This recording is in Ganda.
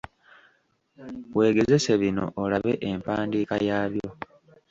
Weegezese bino olabe empandiika yaabyo.